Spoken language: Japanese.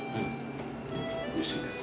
おいしいです。